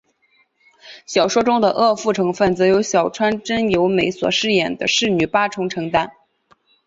小说中的恶妇成份则由小川真由美所饰演的侍女八重承担。